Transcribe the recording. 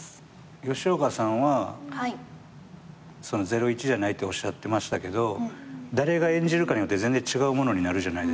吉岡さんはゼロイチじゃないっておっしゃってましたけど誰が演じるかによって全然違うものになるじゃないですか。